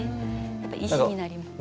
やっぱり石になります。